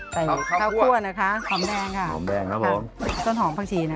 ใส่ข้าวคั่วนะคะ